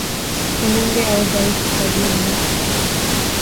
Unyonge au udhaifu kwa jumla